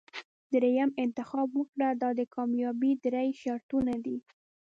دریم انتخاب وکړه دا د کامیابۍ درې شرطونه دي.